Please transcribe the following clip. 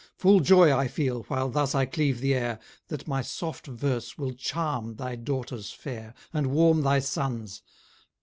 Full joy I feel, while thus I cleave the air, That my soft verse will charm thy daughters fair, And warm thy sons!"